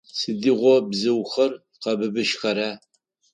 Сыдигъо бзыухэр къэбыбыжьхэра?